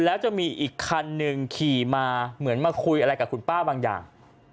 แล้วจะมีอีกคันหนึ่งขี่มาเหมือนมาคุยอะไรกับคุณป้าบางอย่าง